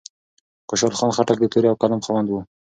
خوشال خان خټک د تورې او قلم خاوند و.